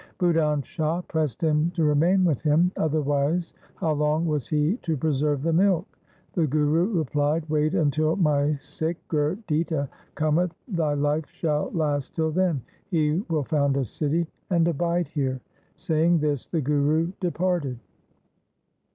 Budhan Shah pressed him to remain with him, otherwise how long was he to preserve the milk ? The Guru replied, ' Wait until my Sikh (Gurditta) cometh, thy life shall last till then. He will found a city and abide here.' Saying this the Guru departed.